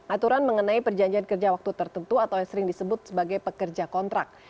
aturan mengenai perjanjian kerja waktu tertentu atau yang sering disebut sebagai pekerja kontrak